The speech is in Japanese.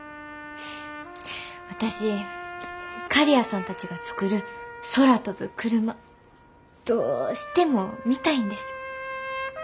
私刈谷さんたちが作る空飛ぶクルマどうしても見たいんです。